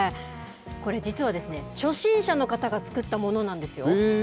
これ実はですね、初心者の方が作ったものなんですよ。